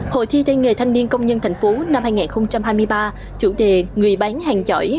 hội thi tây nghề thanh niên công nhân tp năm hai nghìn hai mươi ba chủ đề người bán hàng giỏi